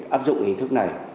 áp dụng hình thức này